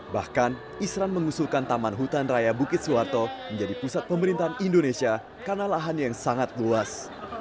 bahkan isran mengusulkan taman hutan raya bukit suharto menjadi pusat pemerintahan indonesia karena lahannya yang sangat luas